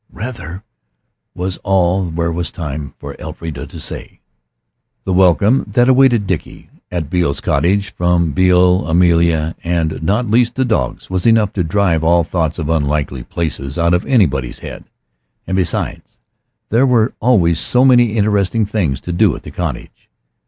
"Rather!" was all there was time for Elfrida to say. The welcome that awaited Dickie at Beale's cottage from Beale, Amelia, and, not least, the dogs, was enough to drive all thoughts of unlikely places out of anybody's head. And besides, there were always so many interesting things to do at the cottage.